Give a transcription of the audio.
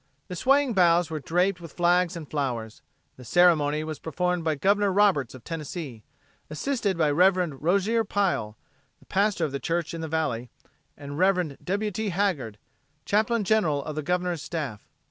The swaying boughs were draped with flags and flowers. The ceremony was performed by Governor Roberts of Tennessee, assisted by Rev. Rosier Pile, the pastor of the church in the valley, and Rev. W. T. Haggard, chaplain general of the Governor's staff.